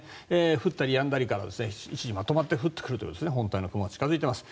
降ったりやんだりか一時まとまって降ってくるという本体の雲が近づいています。